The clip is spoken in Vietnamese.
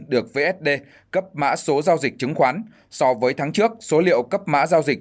được vsd cấp mã số giao dịch chứng khoán so với tháng trước số liệu cấp mã giao dịch